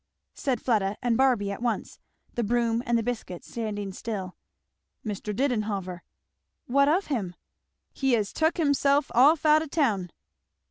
said Fleda and Barby at once, the broom and the biscuits standing still. "Mr. Didenhover." "What of him?" "He has tuk himself off out o" town."